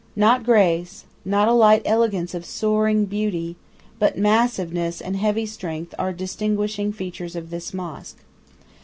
Not grace, not a light elegance of soaring beauty, but massiveness and heavy strength are distinguishing features of this mosque.